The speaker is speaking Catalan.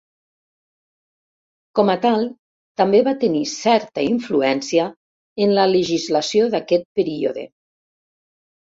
Com a tal, també va tenir certa influència en la legislació d'aquest període.